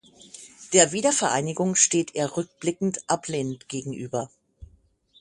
Der Wiedervereinigung steht er rückblickend ablehnend gegenüber.